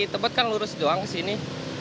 tepat kan lurus doang kesini